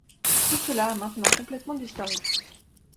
Tout cela a maintenant complètement disparu.